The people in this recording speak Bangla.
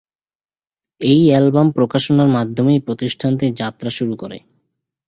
এই অ্যালবাম প্রকাশনার মাধ্যমেই প্রতিষ্ঠানটি যাত্রা শুরু করে।